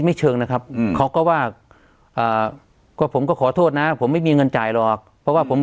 เชิงนะครับอืมเขาก็ว่าอ่าก็ผมก็ขอโทษนะผมไม่มีเงินจ่ายหรอกเพราะว่าผม